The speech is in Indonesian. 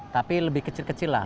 tapi lebih kecil kecil lah